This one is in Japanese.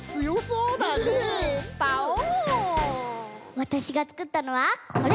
わたしがつくったのはこれ！